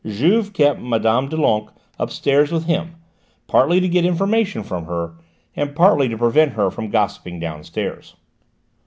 Juve kept Mme. Doulenques upstairs with him partly to get information from her, and partly to prevent her from gossiping downstairs.